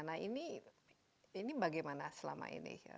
nah ini bagaimana selama ini